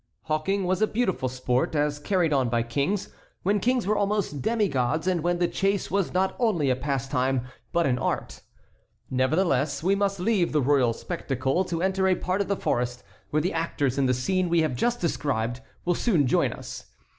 Hawking was a beautiful sport as carried on by kings, when kings were almost demi gods, and when the chase was not only a pastime but an art. Nevertheless we must leave the royal spectacle to enter a part of the forest where the actors in the scene we have just described will soon join us.